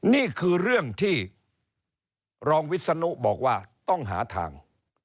นี่คือเรื่องที่รองวิศนุบอกว่าต้องหาทาง